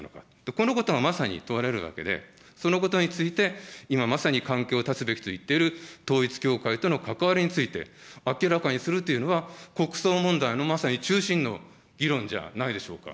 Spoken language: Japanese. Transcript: このことがまさに問われるわけで、そのことについて、今まさに関係を断つべきといっている統一教会との関わりについて、明らかにするというのは、国葬問題のまさに中心の議論じゃないでしょうか。